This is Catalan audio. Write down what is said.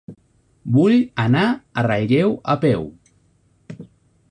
Vull anar a Relleu a peu.